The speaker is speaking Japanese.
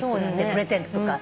プレゼントとか。